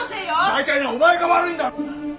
大体なお前が悪いんだろ！